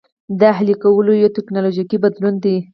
د اهلي کولو یو ټکنالوژیکي بدلون دی.